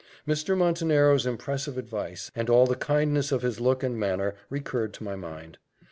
Mr. Montenero's impressive advice, and all the kindness of his look and manner, recurred to my mind.